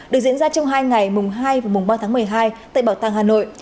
được diễn ra trong hai ngày mùng hai và mùng ba tháng một mươi hai tại bảo tàng hà nội